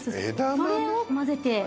それをまぜて。